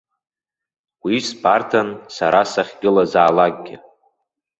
Уи сбарҭан сара сахьгылазаалакгьы.